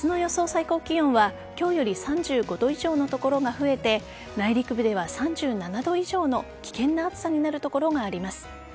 最高気温は今日より３５度以上の所が増えて内陸部では３７度以上の危険な暑さになる所があります。